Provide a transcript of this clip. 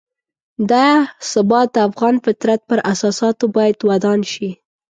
دا ثبات د افغان فطرت پر اساساتو باید ودان شي.